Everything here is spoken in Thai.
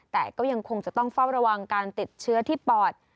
แต่ก็ยังคงจะต้องเฝ้าระวังการติดเชื้อที่ปอด